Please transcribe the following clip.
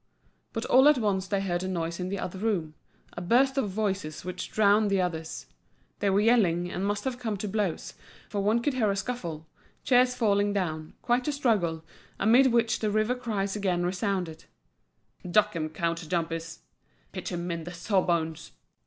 But all at once they heard a noise in the other room, a burst of voices which drowned the others. They were yelling, and must have come to blows, for one could hear a scuffle, chairs falling down, quite a struggle, amid which the river cries again resounded: "Duck 'em, the counter jumpers!" "Pitch 'em in, the sawbones!"